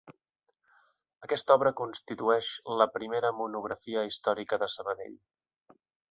Aquesta obra constitueix la primera monografia històrica de Sabadell.